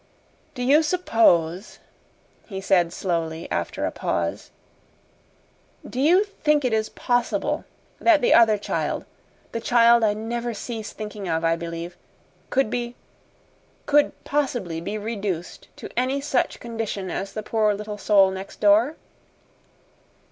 "Do you suppose," he said slowly, after a pause "do you think it is possible that the other child the child I never cease thinking of, I believe could be could POSSIBLY be reduced to any such condition as the poor little soul next door?"